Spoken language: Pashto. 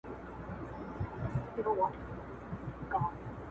خوب هم پوره کړې